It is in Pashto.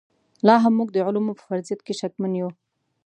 لاهم موږ د علومو په فرضیت کې شکمن یو.